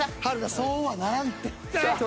そうはならんって。